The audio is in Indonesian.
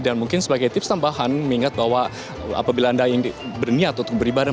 dan mungkin sebagai tips tambahan mengingat bahwa apabila anda berniat untuk beribadah